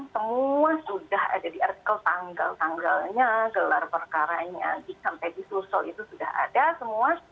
semua sudah ada di artikel tanggal tanggalnya gelar perkaranya sampai di susul itu sudah ada semua